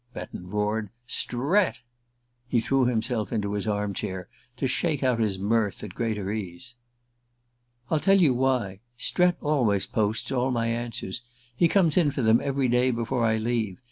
Betton roared. "_ Strett?_" He threw himself into his arm chair to shake out his mirth at greater ease. "I'll tell you why. Strett always posts all my answers. He comes in for them every day before I leave.